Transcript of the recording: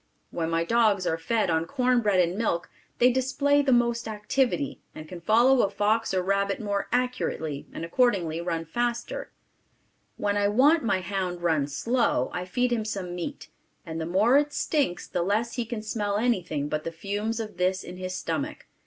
When my dogs are fed on cornbread and milk they display the most activity, and can follow a fox or rabbit more accurately and accordingly run faster. When I want to make my hound run slow I feed him some meat, and the more it stinks the less he can smell anything but the fumes of this in his stomach.